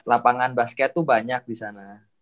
lapangan basket tuh banyak disana